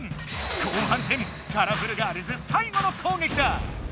後半戦カラフルガールズさい後のこうげきだ！